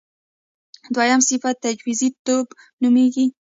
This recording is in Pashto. دویم صفت تجویزی توب نومېږي.